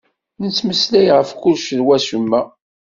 Nettmeslay ɣef kullec d wacemma.